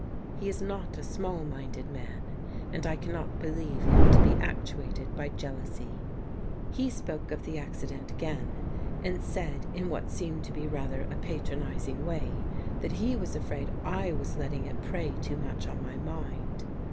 He is not a small minded man, and I cannot believe him to be actuated by jealousy. He spoke of the acci dent again, and said in what seemed to be I'ather a patronizing way that he was afraid I was letting it prey too much on my mind.